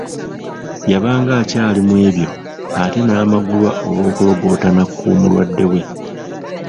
Yabanga akyali mw’ebyo ate n’amagulwa olw’okulogootana kw’omulwadde we.